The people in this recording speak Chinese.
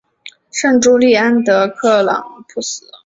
圣朱利安德克朗普斯。